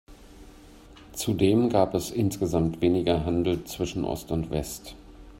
Zudem gab es insgesamt weniger Handel zwischen Ost und West.